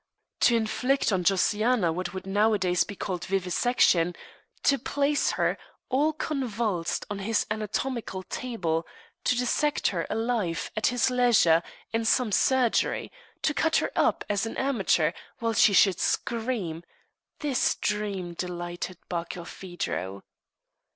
To inflict on Josiana what would nowadays be called vivisection to place her, all convulsed, on his anatomical table; to dissect her alive, at his leisure, in some surgery; to cut her up, as an amateur, while she should scream this dream delighted Barkilphedro!